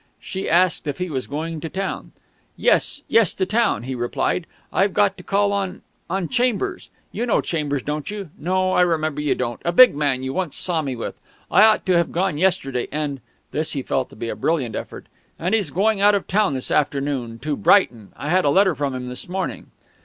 She asked if he was going to town. "Yes, yes to town," he replied. "I've got to call on on Chambers. You know Chambers, don't you? No, I remember you don't; a big man you once saw me with.... I ought to have gone yesterday, and " this he felt to be a brilliant effort "and he's going out of town this afternoon. To Brighton. I had a letter from him this morning."